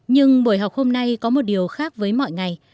nhưng buổi học hôm nay có một điều khác với mọi ngày